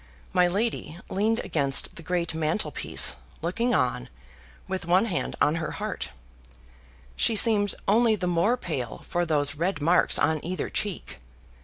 My lady leaned against the great mantel piece, looking on, with one hand on her heart she seemed only the more pale for those red marks on either cheek.